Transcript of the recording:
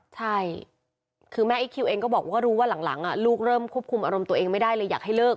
ใช่คือแม่ไอ้คิวเองก็บอกว่ารู้ว่าหลังลูกเริ่มควบคุมอารมณ์ตัวเองไม่ได้เลยอยากให้เลิก